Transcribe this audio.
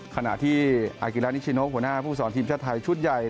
ขณะที่อากิรานิชิโนหัวหน้าผู้สอนทีมชาติไทยชุดใหญ่